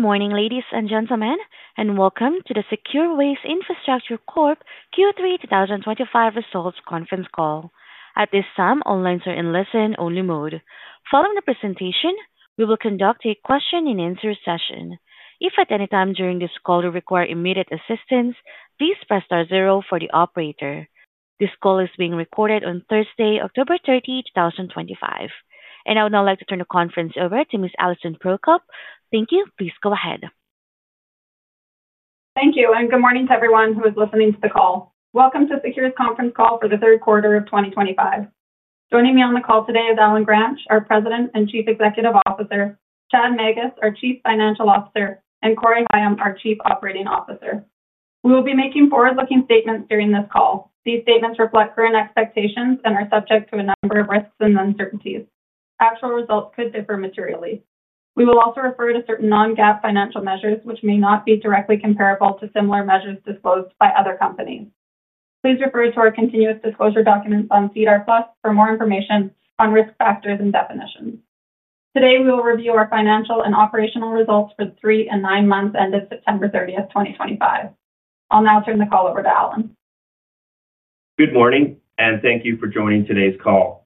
Good morning ladies and gentlemen and welcome to the Secure Waste Infrastructure Corp. Q3 2025 results conference call. At this time all lines are in listen only mode. Following the presentation, we will conduct a question and answer session. If at any time during this call you require immediate assistance, please press star zero for the operator. This call is being recorded on Thursday, October 30, 2025, and I would now like to turn the conference over to Ms. Alison Prokop. Thank you. Please go ahead. Thank you and good morning to everyone who is listening to the call. Welcome to Secure's conference call for the third quarter of 2025. Joining me on the call today is Alan Grant, our President and Chief Executive Officer, Chad Magus, our Chief Financial Officer, and Corey Higham, our Chief Operating Officer. We will be making forward-looking statements during this call. These statements reflect current expectations and are subject to a number of risks and uncertainties. Actual results could differ materially. We will also refer to certain non-GAAP financial measures which may not be directly comparable to similar measures disclosed by other companies. Please refer to our continuous disclosure documents on SEDAR+ for more information on risk factors and definitions. Today we will review our financial and operational results for three and nine months ended September 30, 2025. I'll now turn the call over to Alan. Good morning and thank you for joining today's call.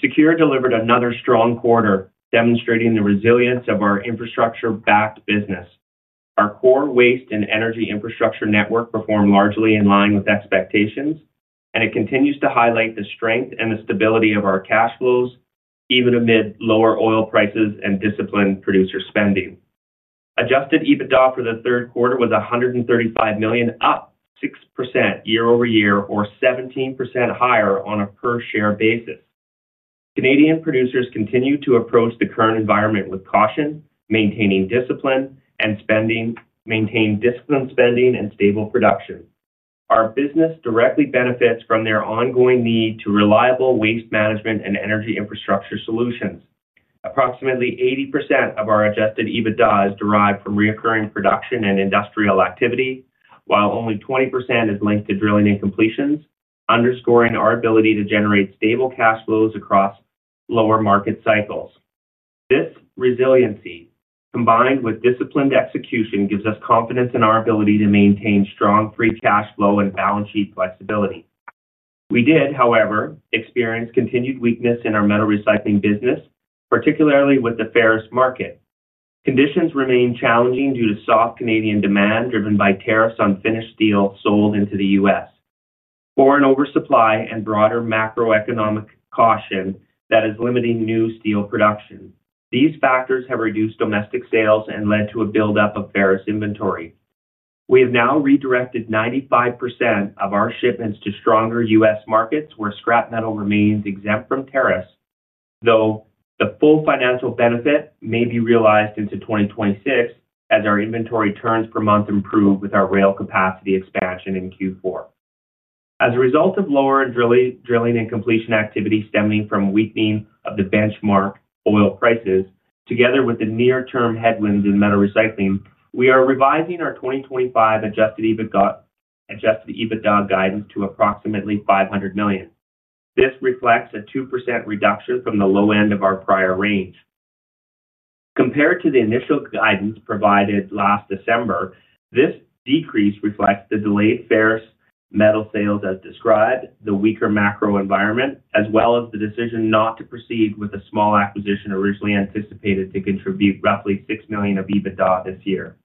Secure delivered another strong quarter, demonstrating the resilience of our infrastructure-backed business. Our core waste and energy infrastructure network performed largely in line with expectations, and it continues to highlight the strength and the stability of our cash flows even amid lower oil prices and disciplined producer spending. Adjusted EBITDA for the third quarter was $135 million, up 6% year-over-year or 17% higher on a per share basis. Canadian producers continue to approach the current environment with caution, maintaining disciplined spending and stable production. Our business directly benefits from their ongoing need for reliable waste management and energy infrastructure solutions. Approximately 80% of our adjusted EBITDA is derived from recurring production and industrial activity, while only 20% is linked to drilling and completions, underscoring our ability to generate stable cash flows across lower market cycles. This resiliency, combined with disciplined execution, gives us confidence in our ability to maintain strong free cash flow and balance sheet flexibility. We did, however, experience continued weakness in our metals recycling business, particularly with the ferrous market. Conditions remain challenging due to soft Canadian demand driven by tariffs on finished steel sold into the U.S., foreign oversupply, and broader macroeconomic caution that is limiting new steel production. These factors have reduced domestic sales and led to a buildup of ferrous inventory. We have now redirected 95% of our shipments to stronger U.S. markets where scrap metal remains exempt from tariffs, though the full financial benefit may be realized into 2026 as our inventory turns per month improve with our rail capacity expansion in Q4. As a result of lower drilling and completion activity stemming from weakening of the benchmark oil prices, together with the near-term headwinds in metals recycling, we are revising our 2025 adjusted EBITDA guidance to approximately $500 million. This reflects a 2% reduction from the low end of our prior range compared to the initial guidance provided last December. This decrease reflects the delayed ferrous metal sales as described, the weaker macro environment, as well as the decision not to proceed with a small acquisition originally anticipated to contribute roughly $6 million of EBITDA this year.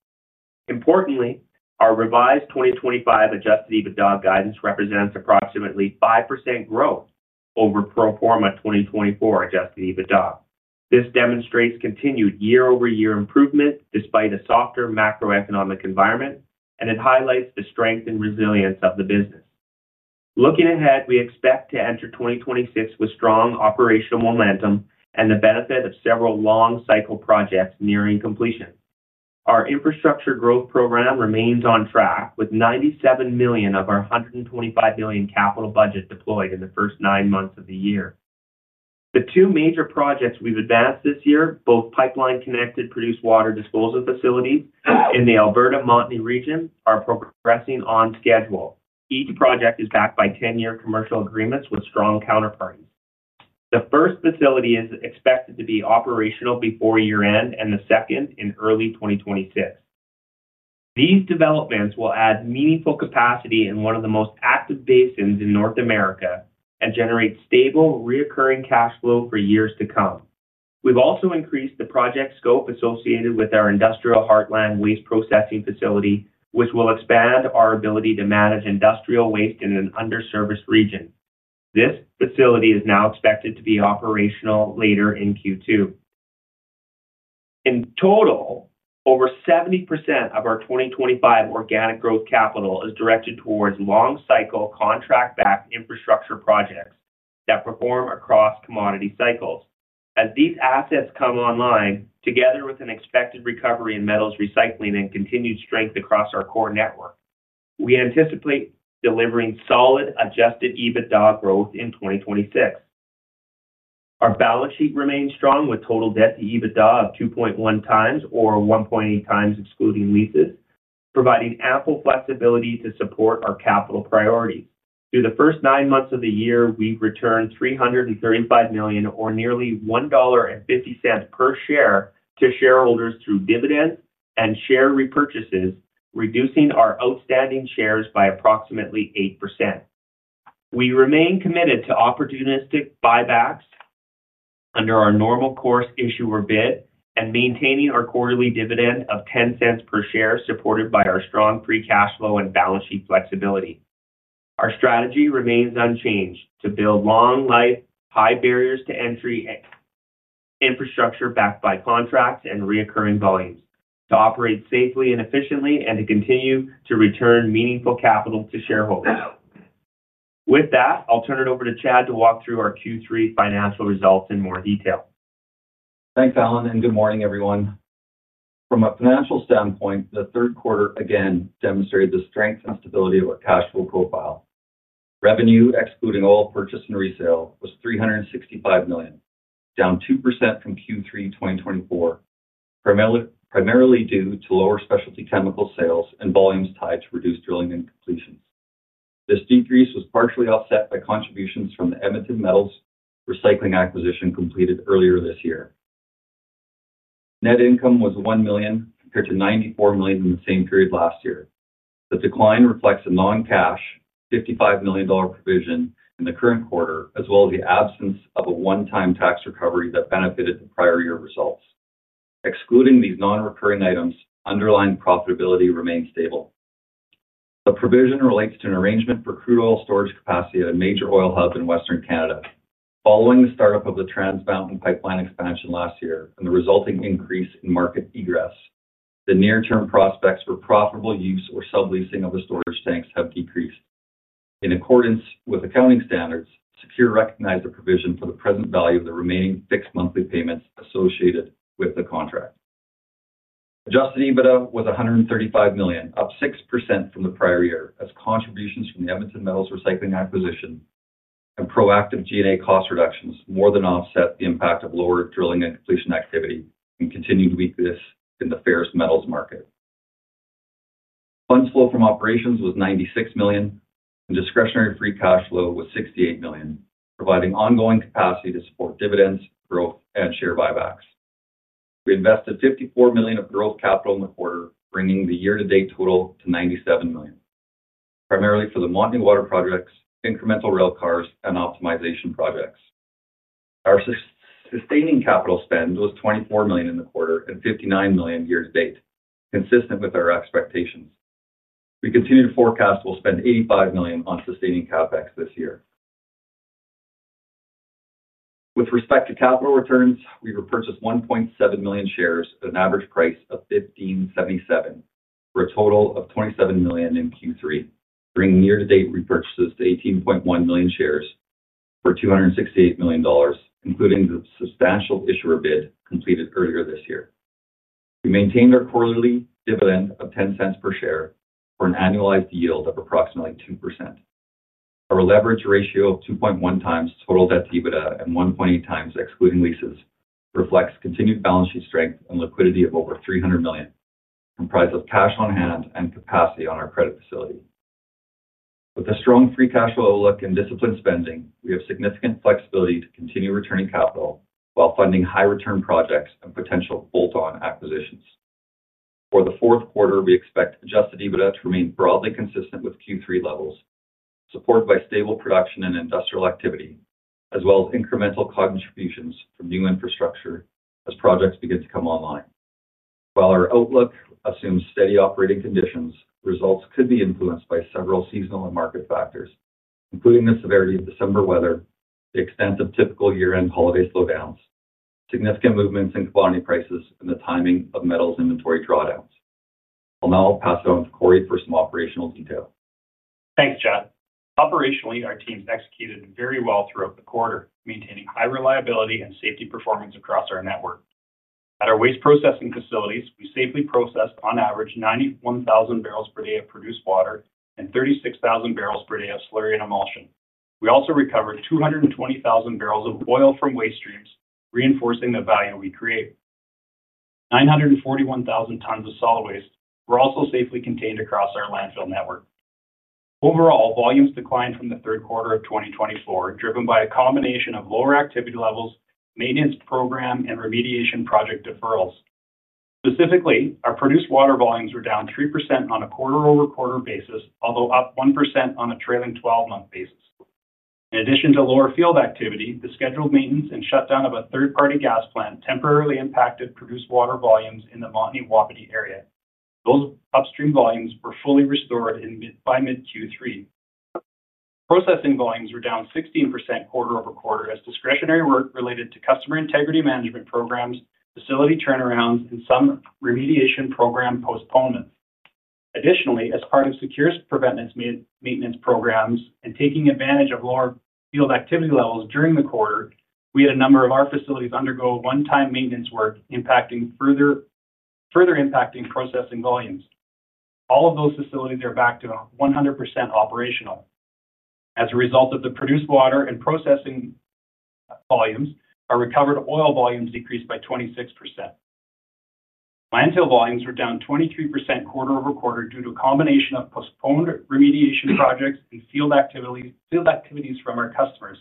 Importantly, our revised 2025 adjusted EBITDA guidance represents approximately 5% growth over pro forma 2024 adjusted EBITDA. This demonstrates continued year-over- year improvement despite a softer macroeconomic environment, and it highlights the strength and resilience of the business. Looking ahead, we expect to enter 2026 with strong operational momentum and the benefit of several long cycle projects nearing completion. Our infrastructure growth program remains on track with $97 million of our $125 million capital budget deployed in the first nine months of the year. The two major projects we've advanced this year, both pipeline connected produced water disposal facilities in the Alberta Montney region, are progressing on schedule. Each project is backed by 10-year commercial agreements with strong counterparties. The first facility is expected to be operational before year end and the second in early 2026. These developments will add meaningful capacity in one of the most active basins in North America and generate stable recurring cash flow for years to come. We've also increased the project scope associated with our Industrial Heartland Waste Processing Facility, which will expand our ability to manage industrial waste in an underserved region. This facility is now expected to be operational later in Q2. In total, over 70% of our 2025 organic growth capital is directed towards long cycle contract backed infrastructure projects that perform across commodity cycles. As these assets come online, together with an expected recovery in metals recycling and continued strength across our core network, we anticipate delivering solid adjusted EBITDA growth in 2026. Our balance sheet remains strong with total debt to EBITDA of 2.1x or 1.8x excluding leases, providing ample flexibility to support our capital priorities. Through the first nine months of the year, we returned $335 million or nearly $1.50 per share to shareholders through dividends and share repurchases, reducing our outstanding shares by approximately 8%. We remain committed to opportunistic buybacks under our normal course issuer bid and maintaining our quarterly dividend of $0.10 per share, supported by our strong free cash flow and balance sheet flexibility. Our strategy remains unchanged to build long life, high barriers to entry infrastructure backed by contracts and recurring volumes, to operate safely and efficiently, and to continue to return meaningful capital to shareholders. With that, I'll turn it over to Chad to walk through our Q3 financial results in more detail. Thanks Alan and good morning everyone. From a financial standpoint, the third quarter again demonstrated the strength and stability of our cash flow profile. Revenue excluding oil purchase and resale was $365 million, down 2% from Q3 2024, primarily due to lower specialty chemicals sales and volumes tied to reduced drilling and completions. This decrease was partially offset by contributions from the Edmonton Metals Recycling acquisition completed earlier this year. Net income was $1 million compared to $94 million in the same period last year. The decline reflects a non-cash $55 million provision in the current quarter as well as the absence of a one-time tax recovery that benefited the prior year results. Excluding these non-recurring items, underlying profitability remains stable. The provision relates to an arrangement for crude oil storage capacity at a major oil hub in Western Canada. Following the startup of the Trans Mountain pipeline expansion last year and the resulting increase in market egress, the near-term prospects for profitable use or subleasing of the storage tanks have decreased. In accordance with accounting standards, Secure recognized a provision for the present value of the remaining fixed monthly payments associated with the contract. Adjusted EBITDA was $135 million, up 6% from the prior year, as contributions from the Edmonton Metals Recycling acquisition and proactive G&A cost reductions more than offset the impact of lower drilling and completion activity and continued weakness in the ferrous metals market. Funds flow from operations was $96 million and discretionary free cash flow was $68 million, providing ongoing capacity to support dividends, growth, and share buybacks. We invested $54 million of gross capital in the quarter, bringing the year-to-date total to $97 million, primarily for the Montney Water projects, incremental railcars, and optimization projects. Our sustaining capital spend was $24 million in the quarter and $59 million year-to-date. Consistent with our expectations, we continue to forecast we'll spend $85 million on sustaining CapEx this year. With respect to capital returns, we repurchased 1.7 million shares at an average price of $15.77 for a total of $27 million in Q3, bringing year-to-date repurchases to 18.1 million shares for $268 million, including the substantial issuer bid completed earlier this year. We maintained our quarterly dividend of $0.10 per share for an annualized yield of approximately 2%. Our leverage ratio of 2.1x total debt to EBITDA and 1.8x excluding leases reflects continued balance sheet strength and liquidity of over $300 million comprised of cash on hand and capacity on our credit facility. With a strong free cash flow outlook and disciplined spending, we have significant flexibility to continue returning capital while funding high return projects and potential bolt on acquisitions. For the fourth quarter, we expect adjusted EBITDA to remain broadly consistent with Q3 levels, supported by stable production and industrial activity as well as incremental contributions from new infrastructure as projects begin to come online. While our outlook assumes steady operating conditions, we expect results could be influenced by several seasonal and market factors including the severity of December weather, the extent of typical year end holiday slowdowns, significant movements in commodity prices, and the timing of metals inventory drawdowns. I'll now pass it on to Corey for some operational detail. Thanks Chad. Operationally, our teams executed very well throughout the quarter, maintaining high reliability and safety performance across our network. At our waste processing facilities, we safely processed on average 91,000 barrels per day of produced water and 36,000 barrels per day of slurry and emulsion. We also recovered 220,000 barrels of oil from waste streams, reinforcing the value we create. 941,000 tons of solid waste were also safely contained across our landfill network. Overall volumes declined from the third quarter of 2024, driven by a combination of lower activity levels, maintenance program, and remediation project deferrals. Specifically, our produced water volumes were down 3% on a quarter-over-quarter basis, although up 1% on a trailing month basis. In addition to lower field activity, the scheduled maintenance and shutdown of a third-party gas plant temporarily impacted produced water volumes in the Montney Wapiti area. Those upstream volumes were fully restored by mid Q3. Processing volumes were down 16% quarter-over-quarter as discretionary work related to customer integrity management programs, facility turnarounds, and some remediation program postponement occurred. Additionally, as part of Secure's preventative maintenance programs and taking advantage of lower field activity levels during the quarter, we had a number of our facilities undergo one-time maintenance work, further impacting processing volumes. All of those facilities are back to 100% operational. As a result of the produced water and processing volumes, our recovered oil volumes decreased by 26%. Landfill volumes were down 23% quarter-over-quarter due to a combination of postponed remediation projects and field activities from our customers.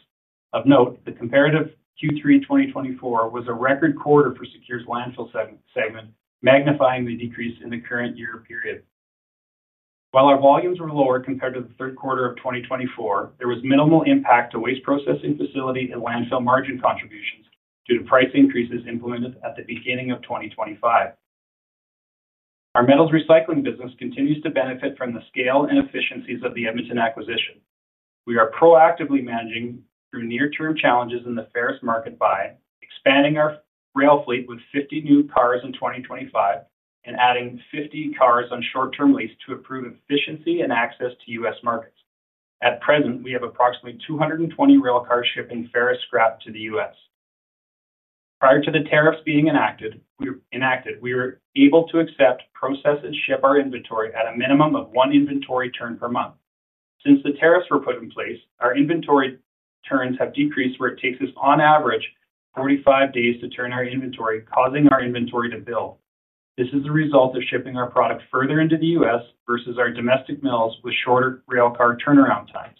Of note, the comparative Q3 2024 was a record quarter for Secure's landfill segment, magnifying the decrease in the current year period. While our volumes were lower compared to the third quarter of 2024, there was minimal impact to waste processing facility and landfill margin contributions due to price increases implemented at the beginning of 2025. Our metals recycling business continues to benefit from the scale and efficiencies of the Edmonton acquisition. We are proactively managing through near-term challenges in the ferrous market by expanding our rail fleet with 50 new cars in 2025 and adding 50 cars on short-term lease to improve efficiency and access to U.S. markets. At present, we have approximately 220 railcars shipping ferrous scrap to the U.S. prior to the tariffs being enacted. We were able to accept, process, and ship our inventory at a minimum of one inventory turn per month. Since the tariffs were put in place, our inventory turns have decreased, where it takes us on average 45 days to turn our inventory, causing our inventory to build. This is the result of shipping our product further into the U.S. versus our domestic mills with shorter railcar turnaround times.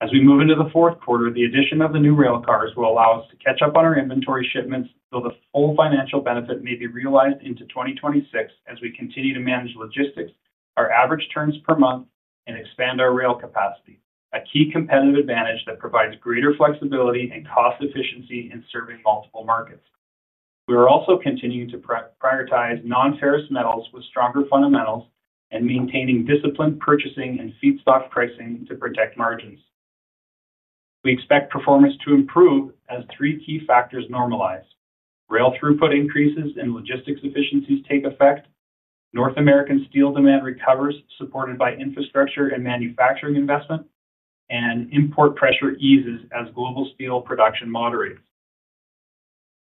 As we move into the fourth quarter, the addition of the new railcars will allow us to catch up on our inventory shipments, though the full financial benefit may be realized into 2026 as we continue to manage logistics, our average turns per month, and expand our rail capacity, a key competitive advantage that provides greater flexibility and cost efficiency in serving multiple markets. We are also continuing to prioritize non-ferrous metals with stronger fundamentals and maintaining disciplined purchasing and feedstock pricing to protect margins. We expect performance to improve as three key factors normalize: rail throughput increases and logistics efficiencies take effect, North American steel demand recovers supported by infrastructure and manufacturing investment, and import pressure eases as global steel production moderates.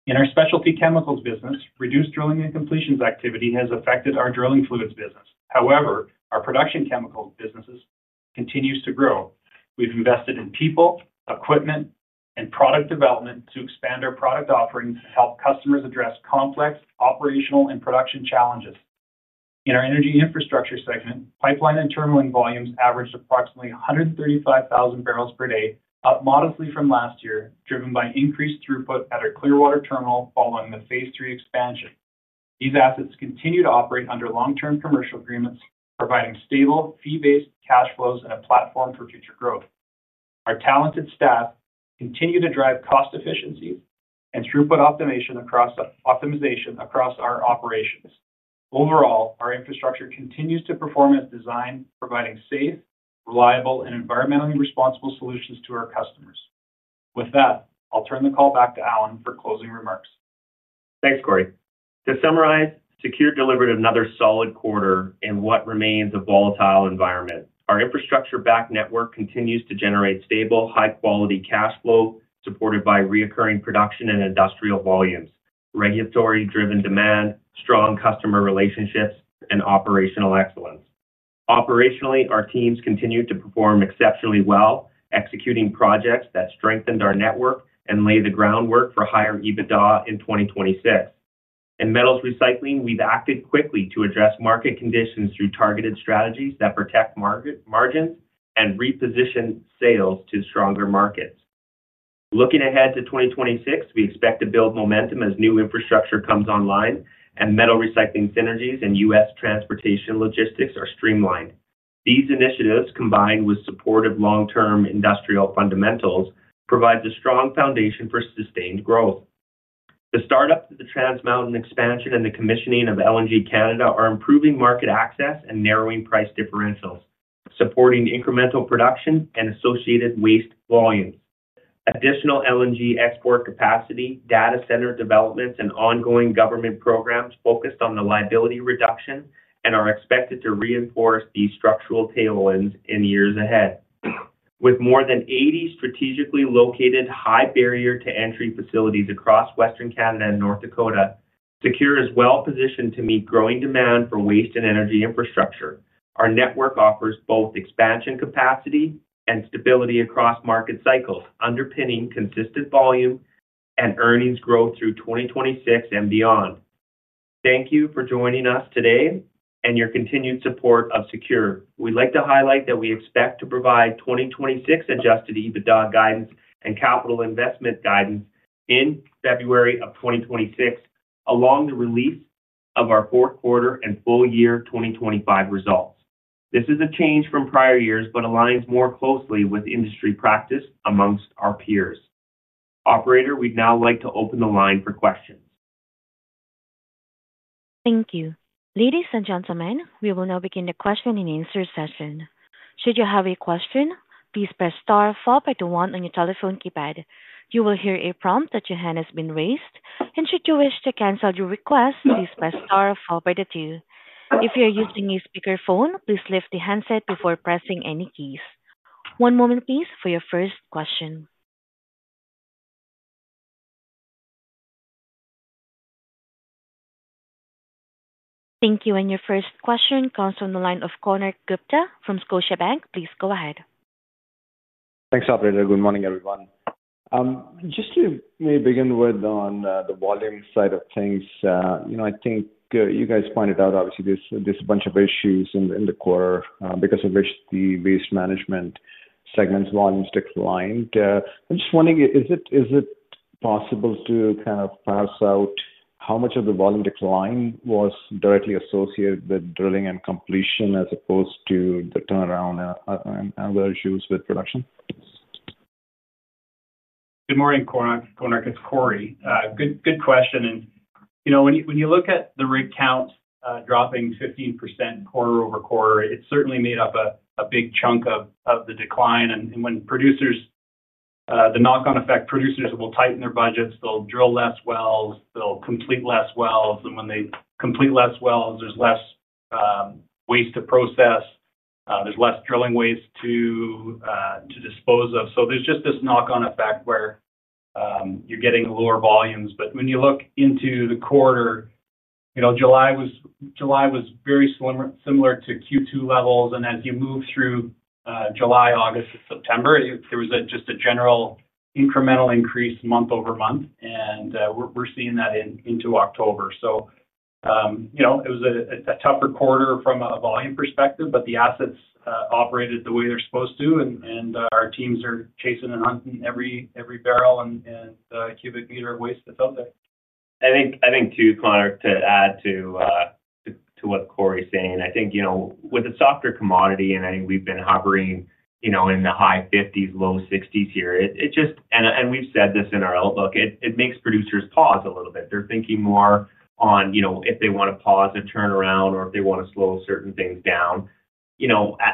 In our specialty chemicals business, reduced drilling and completions activity has affected our drilling fluids business. However, our production chemicals business continues to grow. We've invested in people, equipment, and product development to expand our product offerings to help customers address complex operational and production challenges. In our energy infrastructure segment, pipeline and terminalling volumes averaged approximately 135,000 barrels per day, up modestly from last year, driven by increased throughput at our Clearwater terminal following the Phase Three expansion. These assets continue to operate under long-term commercial agreements, providing stable, fee-based cash flows and a platform for future growth. Our talented staff continue to drive cost efficiencies and throughput optimization across our operations. Overall, our infrastructure continues to perform as designed, providing safe, reliable, and environmentally responsible solutions to our customers. With that, I'll turn the call back to Alan for closing remarks. Thanks, Corey. To summarize, Secure delivered another solid quarter in what remains a volatile environment. Our infrastructure-backed network continues to generate stable, high-quality cash flow supported by recurring production and industrial volumes, regulatory-driven demand, strong customer relationships, and operational excellence. Operationally, our teams continue to perform exceptionally well, executing projects that strengthened our network and lay the groundwork for higher EBITDA in 2026. In metals recycling, we've acted quickly to address market conditions through targeted strategies that protect margins and reposition sales to stronger markets. Looking ahead to 2026, we expect to build momentum as new infrastructure comes online and metals recycling synergies and U.S. transportation logistics are streamlined. These initiatives, combined with supportive long-term industrial fundamentals, provide a strong foundation for sustained growth. The startup, the Trans Mountain expansion, and the commissioning of LNG Canada are improving market access and narrowing price differentials, supporting incremental production and associated waste volumes. Additional LNG export capacity, data center developments, and ongoing government programs focused on liability reduction are expected to reinforce these structural tailwinds in years ahead. With more than 80 strategically located, high-barrier-to-entry facilities across Western Canada and North Dakota, Secure is well positioned to meet growing demand for waste and energy infrastructure. Our network offers both expansion capacity and stability across market cycles, underpinning consistent volume and earnings growth through 2026 and beyond. Thank you for joining us today and your continued support of Secure. We'd like to highlight that we expect to provide 2026 adjusted EBITDA guidance and capital investment guidance in February of 2026 along with the release of our fourth quarter and full year 2025 results. This is a change from prior years, but aligns more closely with industry practice amongst our peers. Operator, we'd now like to open the line for questions. Thank you, ladies and gentlemen. We will now begin the question and answer session. Should you have a question, please press star followed by the one on your telephone keypad. You will hear a prompt that your hand has been raised, and should you wish to cancel your request, please press star followed by the two. If you are using a speakerphone, please lift the handset before pressing any keys. One moment, please, for your first question. Thank you. Your first question comes from the line of Konark Gupta from Scotiabank. Please go ahead. Thanks, operator. Good morning, everyone. Just to begin with, on the volume side of things, I think you guys pointed out obviously there's a bunch of issues in the quarter because of which the waste management segment's volumes declined. I'm just wondering, is it possible to kind of parse out how much of the volume decline was directly associated with drilling and completions as opposed to the turnaround issues with production? Good morning, Konark. It's Corey. Good question. You know, when you look at the rig count dropping 15% quarter-over-quarter, it certainly made up a big chunk of the decline. When producers, the knock-on effect, producers will tighten their budgets, they'll drill less wells, they'll complete less wells, and when they complete less wells, there's less waste to process, there's less drilling waste to dispose of there's just this knock-on effect. Where you're getting lower volumes. When you look into the quarter, July was very similar to Q2 levels. As you move through July, August, September, there was just a general incremental increase month over month. We're seeing that into October. It was a tougher quarter from a volume perspective, but the assets operated the way they're supposed to, and our teams are chasing and hunting every barrel and cubic meter of waste that's out there. I think, too, Konark, to add to what Corey's saying, with a softer commodity, and we've been hovering in the high $50s, low $60s here, it just, and we've said this in our outlook, it makes producers pause a little bit. They're thinking more on if they want to pause a turnaround or if they want to slow certain things down.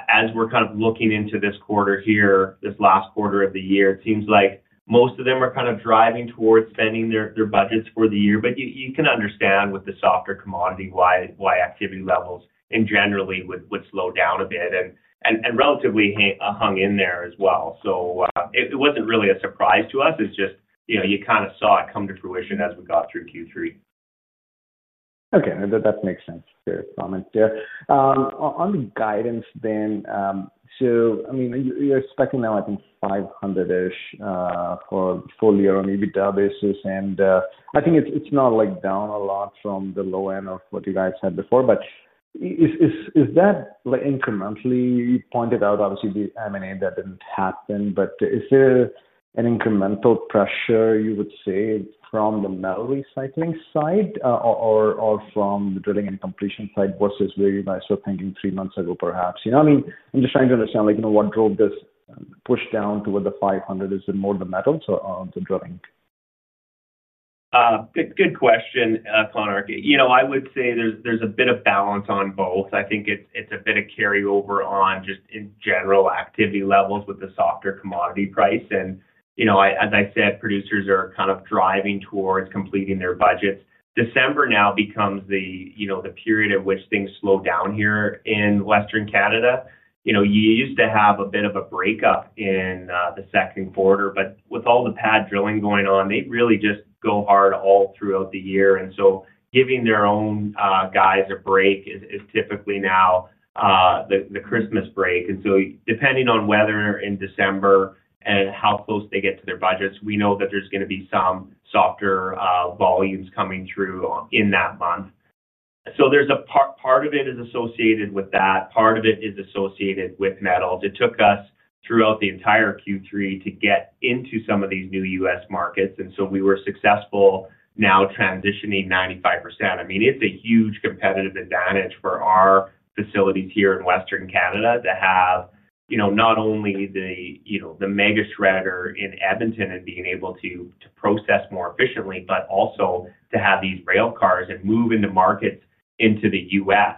As we're kind of looking into this quarter here, this last quarter of the year, it seems like most of them are kind of driving towards spending their budgets for the year. You can understand with the softer commodity why activity levels generally would slow down a bit and relatively hung in there as well. It wasn't really a surprise to us. You kind of saw it come to fruition as we got through Q3. Okay, that makes sense. On the guidance then. You're expecting now, I think, $500 million-ish for full year on an EBITDA basis. I think it's not down a lot from the low end of what you guys said before. Is that incrementally, you pointed out, obviously, the M&A that didn't happen. Is there an incremental pressure, you? Would say from the metals recycling side. From the drilling and completion side versus where you guys were thinking three months ago, perhaps? I'm just trying to understand, like, what drove this push down toward the $500. Is it more the metals or the drilling? Good question. I would say there's a bit of balance on both. I think it's a bit of carry over on just in general activity levels with the softer commodity price. As I said, producers are kind of driving towards completing their budgets. December now becomes the period at which things slow down here in Western Canada. You used to have a bit of a breakup in the second quarter, but with all the pad drilling going on, they really just go hard all throughout the year. Giving their own guys a break is typically now the Christmas break. Depending on weather in December and how close they get to their budgets, we know that there's going to be some softer volumes coming through in that month. Part of it is associated with that, part of it is associated with metals. It took us throughout the entire Q3 to get into some of these new U.S. markets. We were successful now transitioning 95%. I mean, it's a huge competitive advantage for our facilities here in Western Canada to have not only the mega shredder in Edmonton and being able to process more efficiently, but also to have these rail cars and move into markets into the U.S.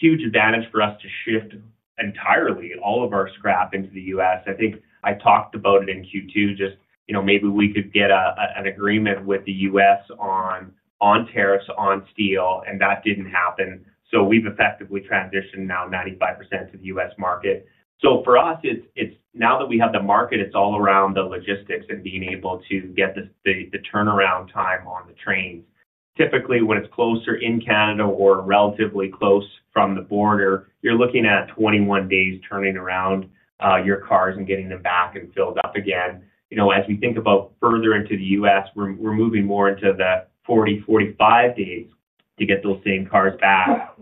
Huge advantage for us to shift entirely all of our scrap into the U.S. I think I talked about it in Q2, just maybe we could get an agreement with the U.S. on tariffs on steel. That didn't happen. We've effectively transitioned now 95% to the U.S. market. For us, now that we have the market, it's all around the logistics and being able to get the turnaround time on the trains. Typically when it's closer in Canada or relatively close from the border, you're looking at 21 days turning around your cars and getting them back and filled up again. As we think about further into the U.S., we're moving more into the 40, 45 days to get those same cars back.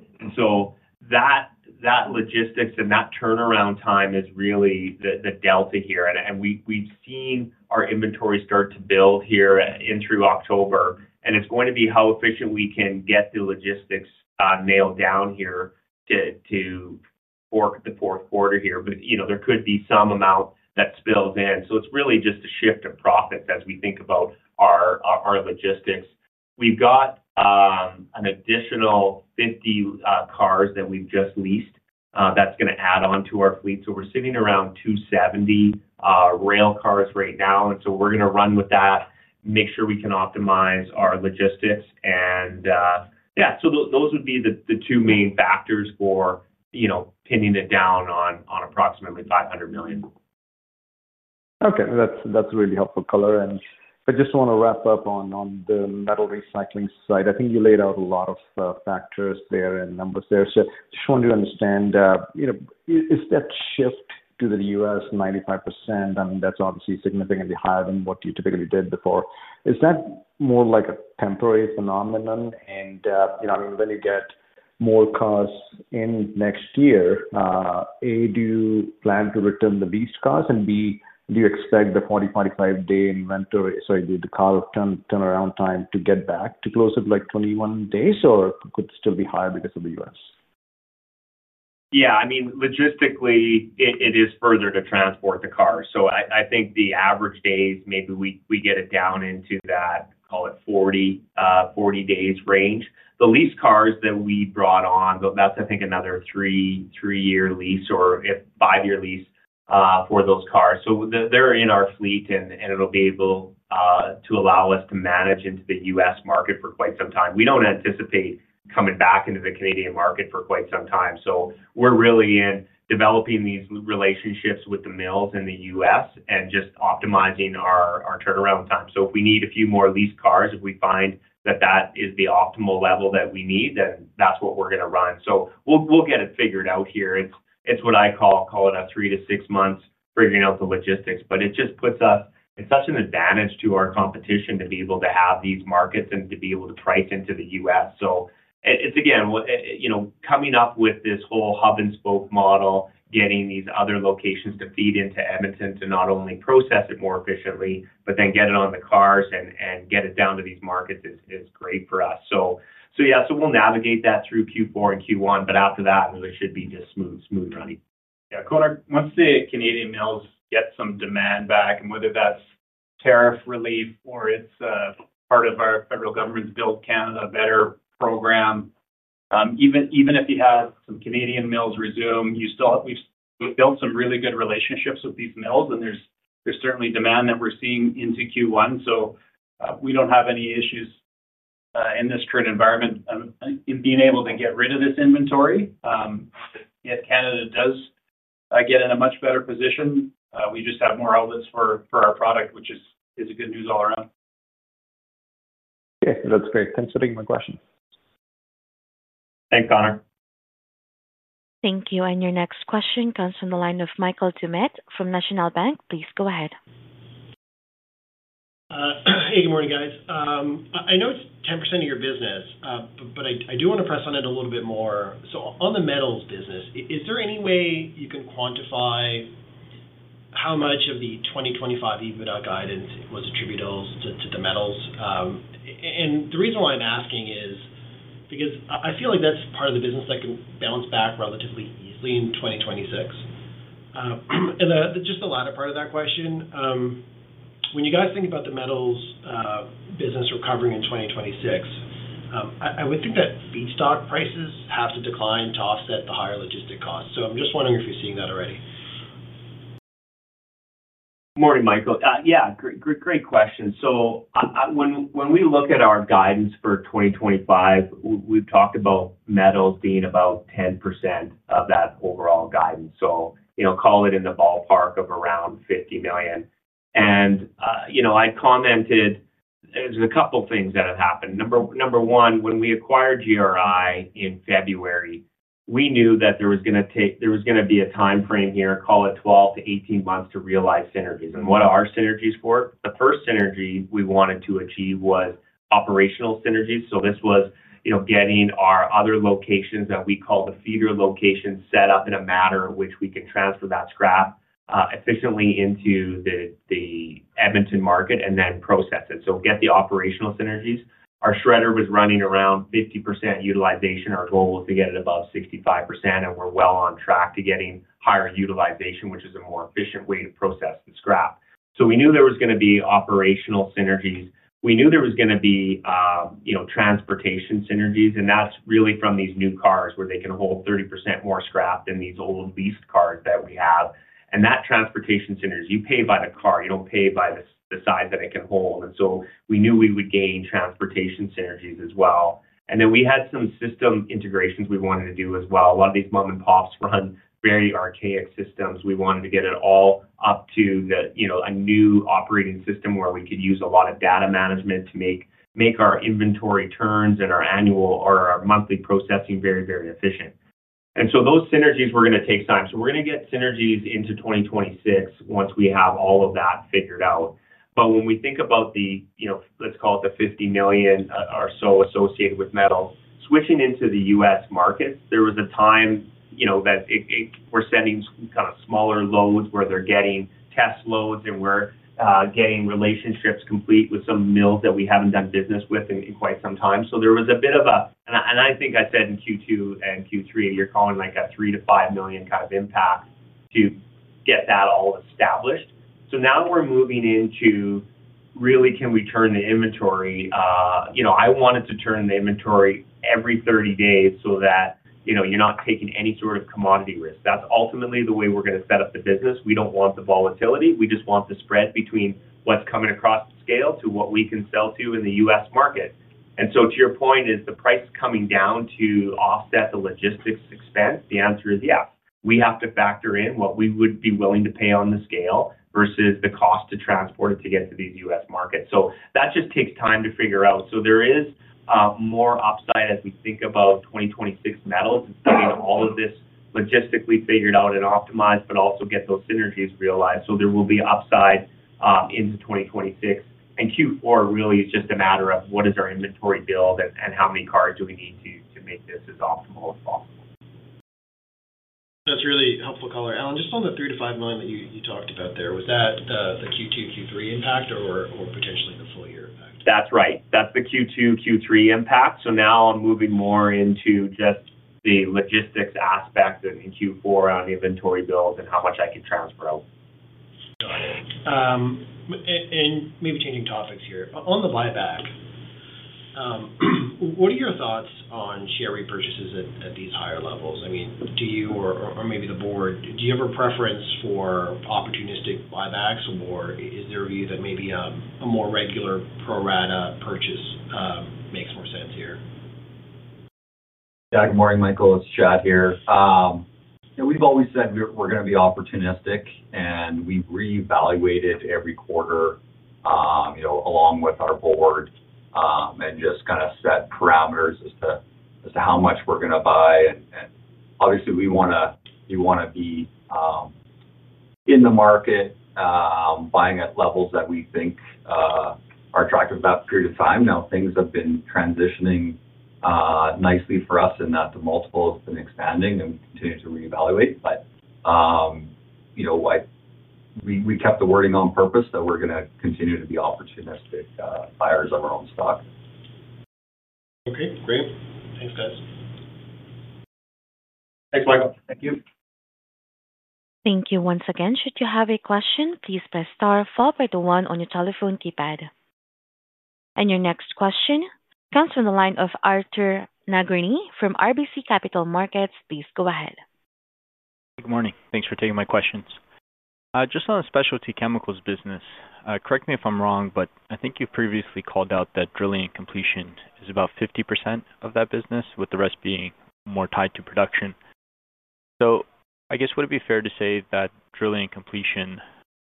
That logistics and that turnaround time is really the delta here and we've seen our inventory start to build here through October and it's going to be how efficient we can get the logistics nailed down here for the fourth quarter. There could be some amount that spills in. It's really just a shift of profits as our logistics. We've got an additional 50 cars that we've just leased that's going to add on to our fleet. We're sitting around 270 rail cars right now. We're going to run with that, make sure we can optimize our logistics, and those would be the two main factors for pinning it down on approximately $500 million. Okay, that's really helpful. Color, and I just want to wrap up on the metals recycling side. I think you laid out a lot. Of factors there and numbers there. I just want to understand, is that shift to the U.S. 95%? I mean, that's obviously significantly higher than what you typically did before. Is that more like a temporary phenomenon? When you get more costs in next year, a dollar plan to return the best cars and BMO. Expect the 40, 45 day inventory, sorry, the car turnaround time to get back to close to like 21 days or could still be higher because of the U.S. Yeah, I mean logistically it is further to transport the car. I think the average days, maybe we get it down into that, call it, 40, 40 days range. The lease cars that we brought on, that's, I think, another three, three-year lease or a five-year lease for those cars. They're in our fleet and it'll be able to allow us to manage into the U.S. market for quite some time. We don't anticipate coming back into the Canadian market for quite some time. We're really in developing these relationships with the mills in the U.S. and just optimizing our turnaround time. If we need a few more lease cars, if we find that that is the optimal level that we need, then that's what we're going to run. We'll get it figured out. Here, it's what I call a three to six months figuring out the logistics. It just puts us at such an advantage to our competition to be able to have these markets and to be able to price into the U.S. It's, again, coming up with this whole hub and spoke model, getting these other locations to feed into Edmonton, to not only process it more efficiently but then get it on the cars and get it down to these markets. It is great for us. We'll navigate that through Q4 and Q1, but after that it really should be just smooth, smooth running. Yeah. Konark. Once the Canadian mills get some demand back, whether that's tariff relief or it's part of our federal government's Build Canada Better program. Even if you have some Canadian Mills resume. We've built some really good relationships with these mills, and there's certainly demand that we're seeing into Q1. We don't have any issues in this current environment in being able to get rid of this inventory. Yet Canada does get in a much better position. We just have more outlets for our product, which is good news all around. That's great. Thanks for taking my question. Thanks, Konark. Thank you. Your next question comes from the line of Michael Doumet from National Bank Financial. Please go ahead. Hey, good morning, guys. I know it's 10% of your business, but I do want to press on it a little bit more. On the metals business, is there any way you can quantify how much of the 2025 EBITDA guidance was attributable to the metals? The reason why I'm asking is because I feel like that's part of it the business that can bounce back relatively easily in 2026, and just the latter part of that question, when you guys think about the metals business recovering in 2026, I would think that feedstock prices have to decline to offset the higher logistic costs. I'm just wondering if you're seeing that already. Morning, Michael. Yeah, great question. When we look at our guidance for 2025, we've talked about metals being about 10% of that overall guidance, so call it in the ballpark of around $50 million. I commented there's a couple things that have happened. Number one, when we acquired GRI in February, we knew that there was going to be a time frame here, call it 12-18 months, to realize synergies. What are our synergies for? The first synergy we wanted to achieve was operational synergies. This was getting our other locations that we call the feeder locations set up in a manner which we can transfer that scrap efficiently into the Edmonton market and then process it. Get the operational synergies. Our shredder was running around 50% utilization. Our goal was to get it above 65% and we're well on track to getting higher utilization, which is a more efficient way to process the scrap. We knew there was going to be operational synergies, we knew there was going to be transportation synergies. That's really from these new cars where they can hold 30% more scrap than these old leased cars that we have. That transportation synergy, you pay by the car, you don't pay by the size that it can hold. We knew we would gain transportation synergies as well. We had some system integrations we wanted to do as well. A lot of these mom and pops run very archaic systems. We wanted to get it all up to a new operating system where we could use a lot of data management to make our inventory turns and our annual or our monthly processing very, very efficient. Those synergies were going to take time. We're going to get synergies into 2026 once we have all of that figured out. When we think about the, let's call it the $50 million or so associated with metals switching into the U.S. market, there was a time that we're sending kind of smaller loads where they're getting test loads and we're getting relationships complete with some mills that we haven't done business with in quite some time. There was a bit of a, and I think I said in Q2 and Q3, you're calling like a $3 million-$5 million kind of impact to get that all established. Now we're moving into really, can we turn the inventory? I wanted to turn the inventory every 30 days so that you're not taking any sort of commodity risk. That's ultimately the way we're going to set up the business. We don't want the volatility, we just want the spread between what's coming across the scale to what we can sell to in the U.S. market. To your point, is the price coming down to offset the logistics expense? The answer is yes. We have to factor in what we would be willing to pay on the scale versus the cost to transport it to get to these U.S. markets. That just takes time to figure out. There is more upside as we think about 2026 metals, all of this logistically figured out and optimized, but also get those synergies realized. There will be upside into 2026, and Q4 really is just a matter of what is our inventory build and how many cars we need to make this as optimal as possible. That's really helpful. Color. Alan, just on the $3 million-$5 million that you talked about there, was that the Q2, Q3 impact or potentially the full year impact? That's right. That's the Q2 Q3 impact. Now I'm moving more into just the logistics aspect and Q4 on inventory build and how much I can transfer out. Maybe changing topics here on the buyback. What are your thoughts on share repurchases at these higher levels? Do you, or maybe the board, have a preference for opportunistic buybacks, or is there a view that maybe a more regular pro rata purchase makes more sense here? Yeah, good morning, Michael. It's Chad here. We've always said we're going to be opportunistic and we reevaluate every quarter along with our board and just set parameters as to how much we're going to buy. Obviously, we want to be in the market buying at levels that we think are attractive that period of time. Now things have been transitioning nicely for us in that the multiple has been expanding and continue to reevaluate. We kept the wording on purpose that we're going to continue to be opportunistic buyers of our own stock. Okay, great. Thanks, guys. Thank you. Thank you. Once again, should you have a question, please press star followed by the one on your telephone keypad. Your next question comes from the line of Arthur Nagorny from RBC Capital Markets. Please go ahead. Good morning. Thanks for taking my questions. Just on the specialty chemicals business, correct me if I'm wrong, but I think you previously called out that drilling and completions is about 50% of that business with the rest being more tied to production. Would it be fair to say that drilling and completion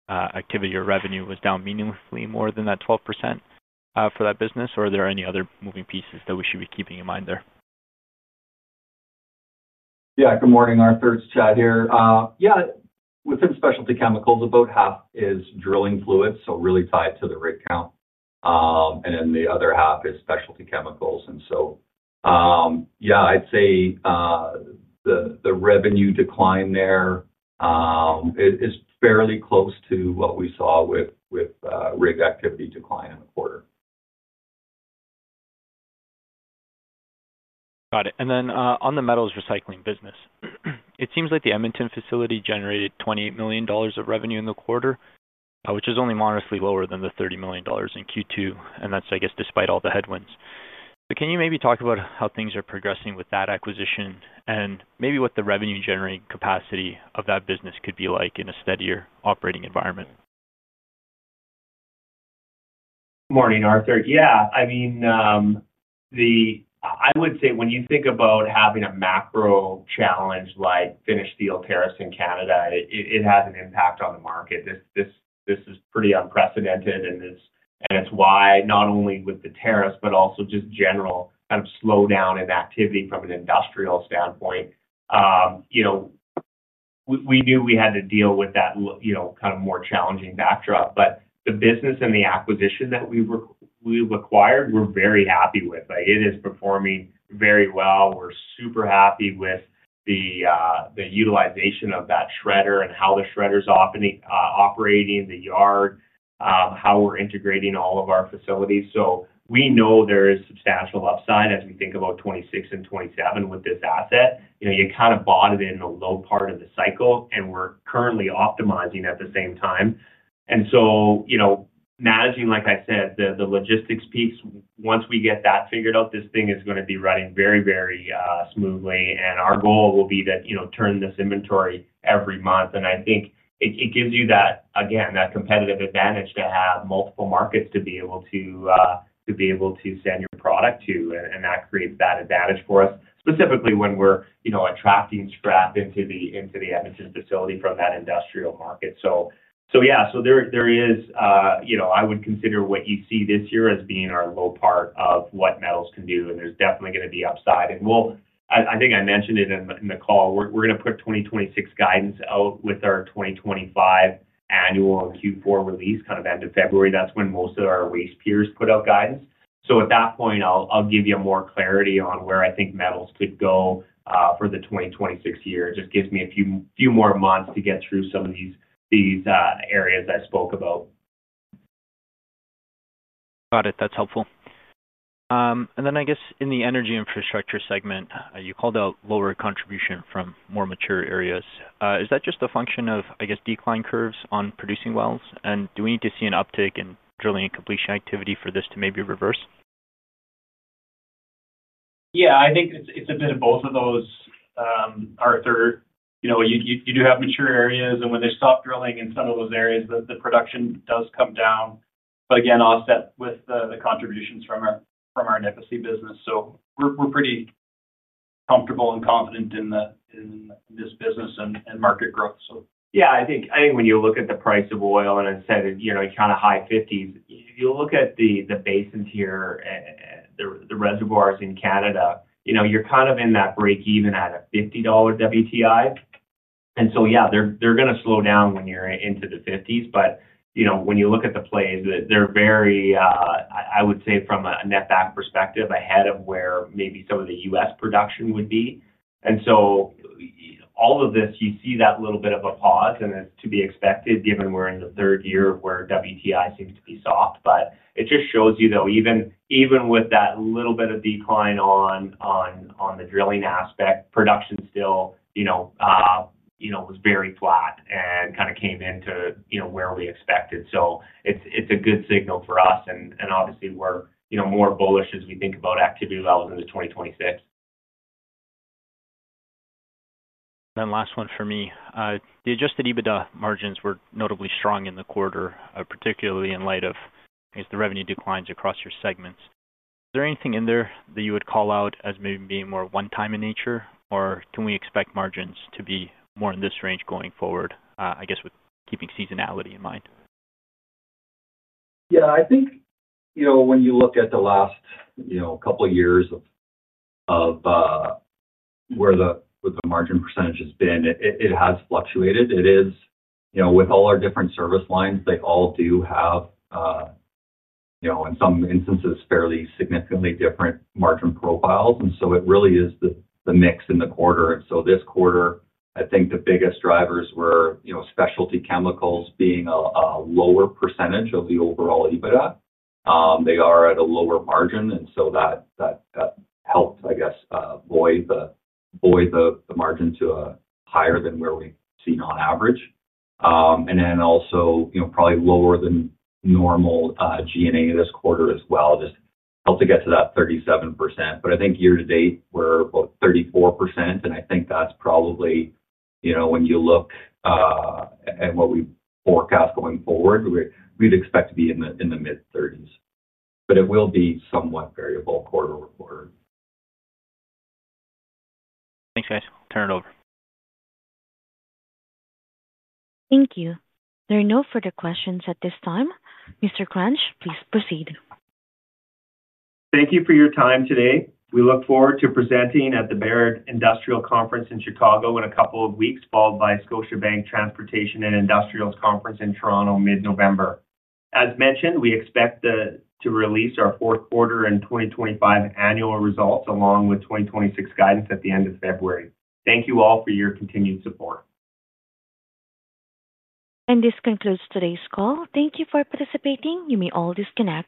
activity or revenue was down meaningfully more than that 12% for that business, are there any other moving pieces that we should be keeping in mind there? Yeah. Good morning. Arthur. Chad here. Yeah. Within specialty chemicals, about half is drilling fluid, so really tied to the rig count. The other half is specialty chemicals. I'd say the revenue decline there is fairly close to what we saw with rig activity decline in the quarter. Got it. On the metals recycling business, it seems like the Edmonton facility generated $28 million of revenue in the quarter, which is only modestly lower than the $30 million in Q2. That's despite all the headwinds. Can you maybe talk about how things are progressing with that acquisition and what the revenue generating capacity of that business could be like in a steadier operating environment? Morning, Arthur. Yeah, I mean, when you think about having a macro challenge like finished steel tariffs in Canada, it has an impact on the market. This is pretty unprecedented. It's not only with the tariffs, but also just general kind of slowdown in activity from an industrial standpoint. We knew we had to deal with that kind of more challenging backdrop. The business and the acquisition that we've acquired, we're very happy with, like it is performing very well. We're super happy with the utilization of that shredder and how the shredder is often operating the yard, how we're integrating all of our facilities. We know there is substantial upside as we think about 2026 and 2027 with this asset. You kind of bought it in the low part of the cycle and we're currently optimizing at the same time. Managing, like I said, the logistics piece, once we get that figured out, this thing is going to be running very, very smoothly. Our goal will be to turn this inventory every month. I think it gives you that, again, that competitive advantage to have multiple markets to be able to send your product to. That creates that advantage for us specifically when we're attracting scrap into the Edmonton facility from that industrial market. I would consider what you see this year as being our low part of what metals can do. There's definitely going to be upside and I think I mentioned it in the call, we're going to put 2026 guidance out with our 2025 annual Q4 release, kind of end of February. That's when most of our waste peers put out guidance. At that point, I'll give you more clarity on where I think metals could go for the 2026 year. Just gives me a few more months to get through some of these areas I spoke about. Got it. That's helpful. In the energy infrastructure segment, you called out lower contribution from more mature areas. Is that just a function of decline curves on producing wells? Do we need to see an uptick in drilling and completion activity for this to maybe reverse? Yeah, I think it's a bit of. Both of those, Arthur. You know, you do have mature areas. When they stop drilling in some. Of those areas, the production does come down, again offset with the contributions from our metals recycling business. We're pretty comfortable and confident in this business and market growth. Yeah, I think when you look at the price of oil, and I said kind of high 50s, if you look at the basins here, the reservoirs in Canada, you're kind of in that break even at a $50 WTI. They're going to slow down when you're into the 50s. When you look at the plays, they're very, I would say from a netback perspective ahead of where maybe some of the U.S. production would be. All of this, you see that little bit of a pause and it's to be expected given we're in the third year of where WTI seems to be soft. It just shows you though, even with that little bit of decline on the drilling aspect, production still was very flat and kind of came into where we expected. It's a good signal for us and obviously we're more bullish as we think about activity levels into 2026. The adjusted EBITDA margins were notably strong in the quarter, particularly in light of the revenue declines across your segments. Is there anything in there that you would call out as maybe being more one time in nature or can we expect margins to be more in this range going forward? I guess with keeping seasonality in mind? Yeah, I think when you. Look at the last couple of years of where the margin percentage has been, it has fluctuated. With all our different service lines, they all do have, in some instances, fairly significantly different margin profiles. It really is the mix in the quarter. This quarter I think the biggest drivers were specialty chemicals being a lower percentage of the overall EBITDA. They are at a lower margin, and that helped, I guess, void the margin to a higher than where we see on average. Also, probably lower than normal G&A this quarter as well, just to get to that 37%. I think year to date we're about 34%, and I think that's probably, when you look at what we forecast going forward, we'd expect to be in the mid-30s, but it will be somewhat variable quarter-over-quarter. Thanks, guys. Turn it over. Thank you. There are no further questions at this time, Mr. Grant, please proceed. Thank you for your time today. We look forward to presenting at the Baird Industrial Conference in Chicago in a couple of weeks, followed by the Scotiabank Transportation and Industrials Conference in Toronto, mid November. As mentioned, we expect to release our fourth quarter and 2025 annual results, along with 2026 guidance at the end of February. Thank you all for your continued support. This concludes today's call. Thank you for participating. You may all disconnect.